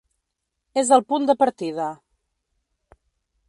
És el punt de partida.